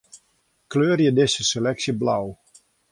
Kleurje dizze seleksje blau.